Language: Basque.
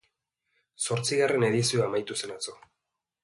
Zortzigarren edizioa amaitu zen atzo.